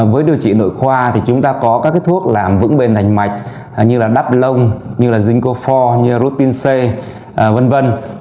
với điều trị nội khoa thì chúng ta có các thuốc làm vững bền thành mạch như là đắp lông như là zinkofor như là rutin c v v